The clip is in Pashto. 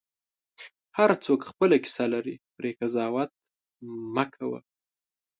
هر څوک خپله کیسه لري، پرې قضاوت مه کوه.